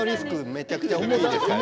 めちゃくちゃ大きいですね。